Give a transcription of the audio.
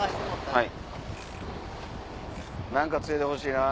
はい。